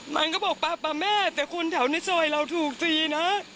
มันก็บอกป๊าแม่แต่คนแถวในซอยเราถูกตีนะ